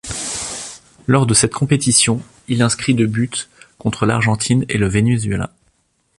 Lors de cette compétition, il inscrit deux buts, contre l'Argentine et le Venezuela.